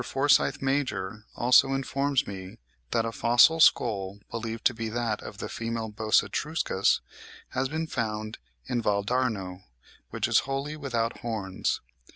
Forsyth Major also informs me that a fossil skull, believed to be that of the female Bos etruscus, has been found in Val d'Arno, which is wholly without horns.